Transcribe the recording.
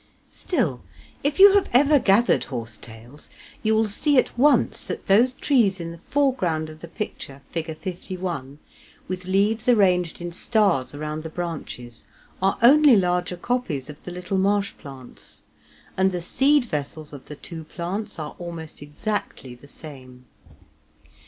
Still, if you have ever gathered "horsetails," you will see at once that those trees in the foreground of the picture (Fig. 51), with leaves arranged in stars round the branches, are only larger copies of the little marsh plants; and the seed vessels of the two plants are almost exactly the same.